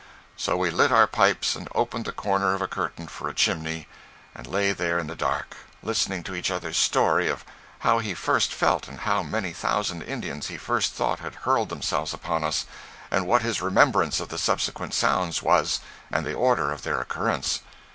So we lit our pipes and opened the corner of a curtain for a chimney, and lay there in the dark, listening to each other's story of how he first felt and how many thousand Indians he first thought had hurled themselves upon us, and what his remembrance of the subsequent sounds was, and the order of their occurrence.